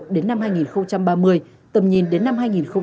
đến năm hai nghìn ba mươi tầm nhìn đến năm hai nghìn bốn mươi năm